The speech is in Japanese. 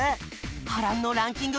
はらんのランキング